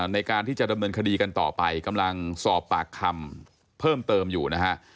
ในการที่จะดำเนินคดีกันต่อไปกำลังสอบปากคำเพิ่มเติมอยู่นะฮะ